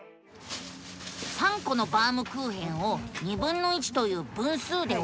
３コのバウムクーヘンをという分数で分けると。